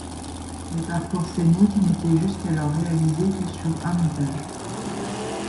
Les parcours scéniques n'étaient jusqu'alors réalisés que sur un étage.